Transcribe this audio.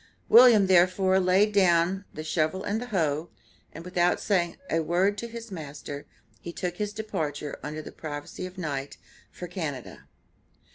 William therefore laid down "the shovel and the hoe," and, without saying a word to his master, he took his departure, under the privacy of the night, for Canada.